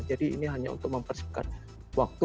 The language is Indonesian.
jadi ini hanya untuk mempercepat waktu